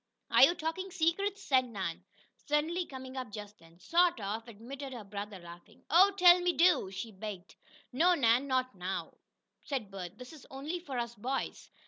"Are you talking secrets?" asked Nan, suddenly coming up just then. "Sort of," admitted her brother, laughing. "Oh, tell me do!" she begged. "No, Nan. Not now," said Bert. "This is only for us boys."